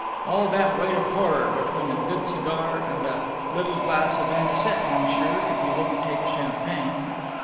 All that weight of horror, between a good cigar and "a little glass of anisette, monsieur, if you won't take champagne."